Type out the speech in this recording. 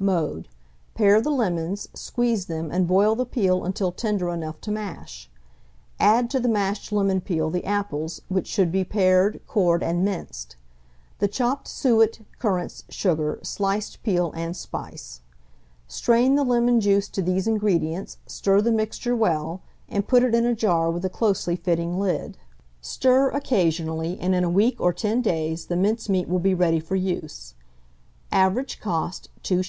Mode. Pare the lemons, squeeze them, and boil the peel until tender enough to mash. Add to the mashed lemon peel the apples, which should be pared, cored, and minced; the chopped suet, currants, sugar, sliced peel, and spice. Strain the lemon juice to these ingredients, stir the mixture well, and put it in a jar with a closely fitting lid. Stir occasionally, and in a week or 10 days the mincemeat will be ready for use. Average cost, 2s.